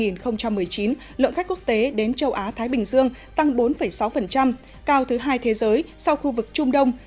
năm hai nghìn một mươi chín lượng khách quốc tế đến châu á thái bình dương tăng bốn sáu cao thứ hai thế giới sau khu vực trung đông